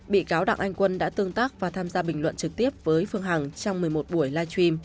bị cáo đặng anh quân đã tương tác và tham gia bình luận trực tiếp với phương hằng trong một mươi một buổi live stream